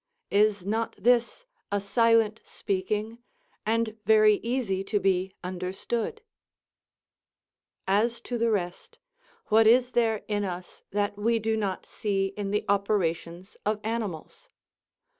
is not this a silent speaking, and very easy to be understood? As to the rest, what is there in us that we do not see in the operations of animals?